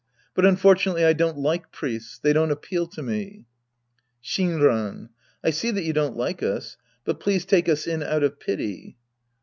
But unfortunately I don't like priests. They don't appeal to me. Shinran. I see that you don't like us'. But please take us in out of pity.